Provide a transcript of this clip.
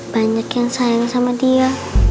banyak yang sayang sama dia